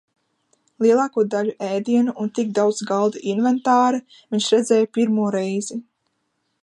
"Lielāko daļu ēdienu un tik daudz galda "inventāra" viņš redzēja pirmo reizi."